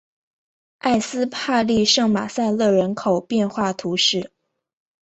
埃斯帕利圣马塞勒人口变化图示